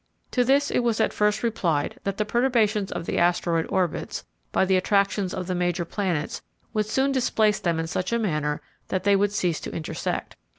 To this it was at first replied that the perturbations of the asteroidal orbits, by the attractions of the major planets, would soon displace them in such a manner that they would cease to intersect.